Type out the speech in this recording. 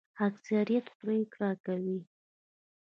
اکثریت پریکړه کوي